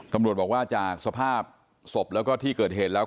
ตำรวจบอกว่าจากสภาพศพแล้วก็ที่เกิดเหตุแล้ว